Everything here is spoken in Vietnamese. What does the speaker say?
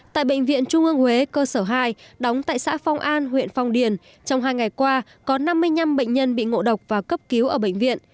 tại bệnh viện trung ương huế cơ sở hai đóng tại xã phong an huyện phong điền trong hai ngày qua có năm mươi năm bệnh nhân bị ngộ độc và cấp cứu ở bệnh viện